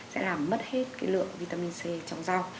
sẽ làm mất hết lượng vitamin c trong rau